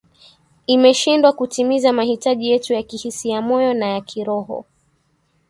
imeshindwa kutimiza mahitaji yetu ya kihisiamoyo na ya kiroho